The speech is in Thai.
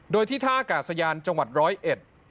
โดยที่ท่าก่าสยานจังหวัด๑๐๑